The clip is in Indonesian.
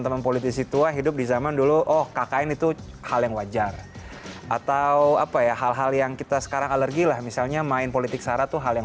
berita terkini dari kpum